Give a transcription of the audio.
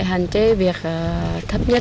hãy hạn chế việc thấp nhất